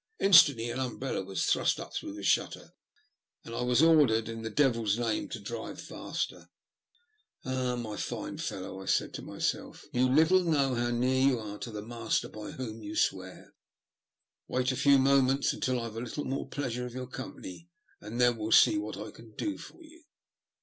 Instantly an umbrella was thrust up through the shutter and I was ordered, in the devil's name, to drive faster. M THE LUST OP HATE. i4 Ah ! my fine fellow/' I said to myself, you little know how near you are to the master by whom yon swear. Wait a few moments until I've had a little more pleasure out of your company, and then we'll see what I can do for you."